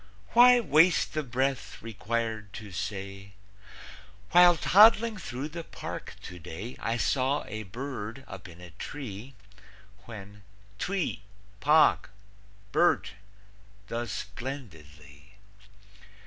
Why waste the breath required to say, "While toddling through the park today, I saw a bird up in a tree," When "Twee, pahk, birt," does splendidly?